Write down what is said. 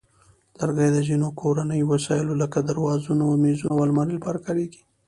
لرګي د ځینو کورني وسایلو لکه درازونو، مېزونو، او المارۍ لپاره کارېږي.